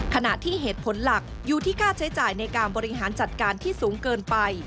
ขณะที่เหตุผลหลักอยู่ที่ค่าใช้จ่ายในการบริหารจัดการที่สูงเกินไป